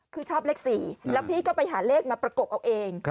คือชอบเลข๔แล้วพี่ก็ไปหาเลขมาประกบเอาเอง